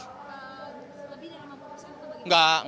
lebih dari lima puluh persen atau bagaimana